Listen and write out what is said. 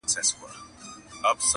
موږ پخپله یو له حل څخه بېزاره.!